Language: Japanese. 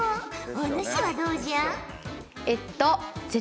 お主はどうじゃ？